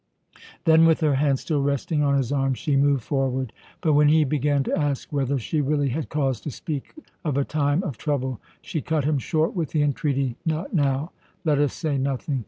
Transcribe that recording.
Then, with her hand still resting on his arm, she moved forward; but when he began to ask whether she really had cause to speak of a time of trouble, she cut him short with the entreaty "Not now. Let us say nothing.